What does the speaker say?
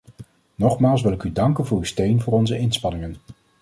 Nogmaals wil ik u danken voor uw steun voor onze inspanningen.